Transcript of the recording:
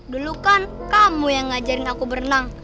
dulu kan kamu yang ngajarin aku berenang